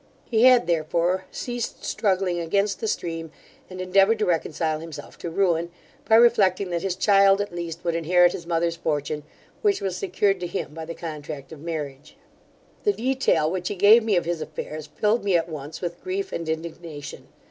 He had therefore ceased struggling against the stream, and endeavoured to reconcile himself to ruin, by reflecting that his child at least would inherit his mother's fortune, which was secured to him by the contract of marriage. The detail which he gave me of his affairs, filled me at once with grief and indignation.